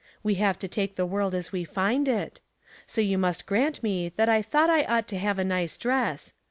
We have to take the world as we find it. So you must grant me that I thought I ought to have a nice dress.